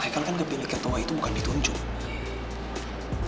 haikal kan kepilih ketua itu bukan ditunjuk